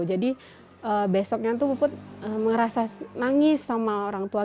jadi besoknya tuh puput nangis sama orang tua